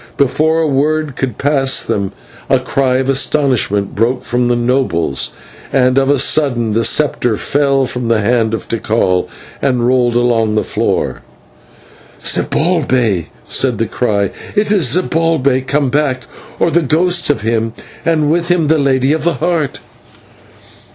Before a word could pass them a cry of astonishment broke from the nobles, and of a sudden the sceptre fell from the hand of Tikal and rolled along the floor. "Zibalbay!" said the cry. "It is Zibalbay come back, or the ghost of him, and with him the Lady of the Heart!"